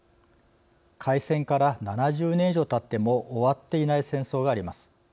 開戦から７０年以上たっても終わっていない戦争があります。